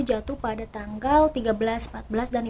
jatuh pada tanggal tiga belas empat belas dan lima belas